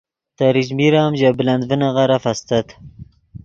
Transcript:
تریچمیر ام ژے بلند ڤینغیرف استت